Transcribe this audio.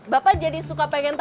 bapak jadi suka pegang mobilnya